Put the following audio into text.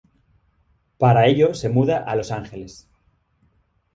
Para ello se muda a Los Ángeles.